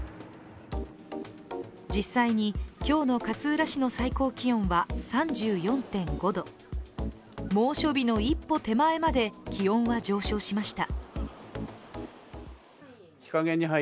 実際に、今日の勝浦市の最高気温は３４．５度猛暑日の一歩手前まで気温は上昇しました。